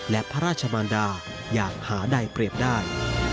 และพระราชมารดาอย่างหาใดเปรียบได้